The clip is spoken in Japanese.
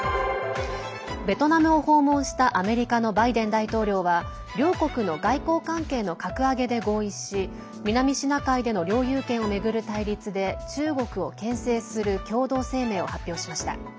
ベトナムを訪問したアメリカのバイデン大統領は両国の外交関係の格上げで合意し南シナ海での領有権を巡る対立で中国をけん制する共同声明を発表しました。